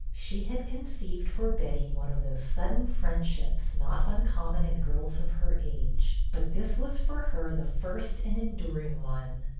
She had conceived for Betty one of those sudden friendships not uncommon in girls of her age ; but this was for her the first and enduring one.